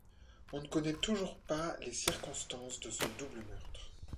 On ne connaît toujours pas les circonstances de ce double meurtre.